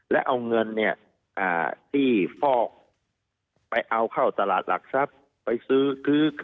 และเอาเงินที่ฟอกไปเอาเข้าตลาดหลักทรัพย์ไปซื้อ